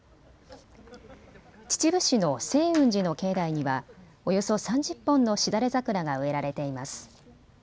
秩父市の清雲寺の境内にはおよそ３０本のしだれ桜が植えられています。